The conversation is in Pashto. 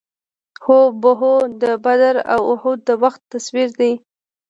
هو بهو د بدر او اُحد د وخت تصویر یې.